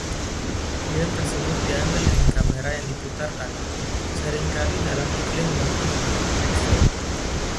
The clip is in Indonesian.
Film tersebut diambil dengan kamera yang diputar tangan, sering kali dalam iklim yang ekstrem.